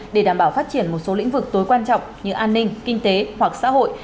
để đảm bảo phát triển một số lĩnh vực tối quan trọng như an ninh kinh tế hoặc xã hội